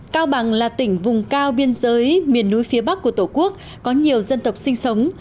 cao bằng là tỉnh vùng cao biên giới miền núi phía bắc của tổ quốc có nhiều dân tộc sinh sống